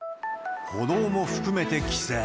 歩道も含めて規制。